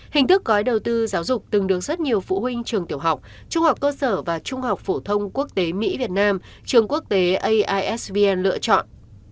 hình thức gói đầu tư giáo dục từng được rất nhiều phụ huynh trường tiểu học trung học cơ sở và trung học phổ thông quốc tế mỹ việt nam trường quốc tế aisb lựa chọn